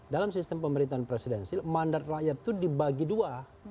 dalam sistem pemerintahan presidensil mandat rakyat itu dibagi dua